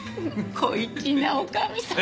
小粋な女将さん。